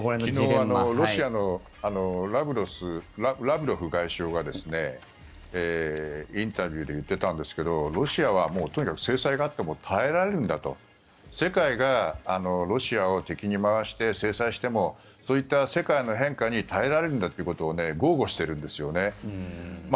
昨日ロシアのラブロフ外相がインタビューで言っていたんですがロシアはもうとにかく制裁があっても耐えられるんだと世界がロシアを敵に回して制裁してもそういった世界の変化に耐えられるんだということを豪語しているんですよね。